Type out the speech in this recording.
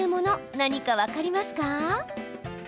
何か分かりますか？